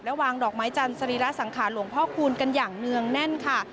วางดอกไม้จันทร์สรีระสังขารหลวงพ่อคูณกันอย่างเนื่องแน่นค่ะ